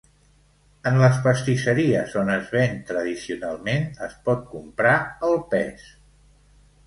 En les pastisseries on es ven tradicionalment, es pot comprar al pes.